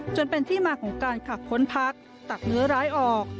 จนเป็นที่มาของการขับพ้นพักตักเนื้อร้ายออก